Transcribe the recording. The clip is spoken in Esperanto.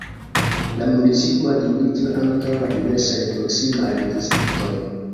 La municipo administras ankaŭ la diversajn proksimajn distriktojn.